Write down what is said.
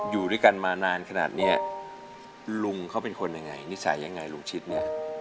อยู่ด้วยกันมานานขนาดเนี้ยลุงเขาเป็นคนยังไงนิสัยยังไงลุงชิดเนี่ย